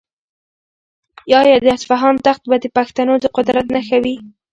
آیا د اصفهان تخت به د پښتنو د قدرت نښه وي؟